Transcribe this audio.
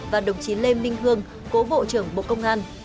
và đồng chí lê minh hương cố bộ trưởng bộ công an